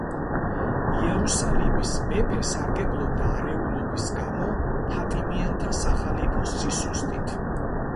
იერუსალიმის მეფე სარგებლობდა არეულობის გამო ფატიმიანთა სახალიფოს სისუსტით.